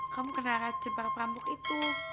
kamu kena racun para perambuk itu